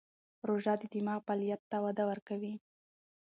روژه د دماغ فعالیت ته وده ورکوي.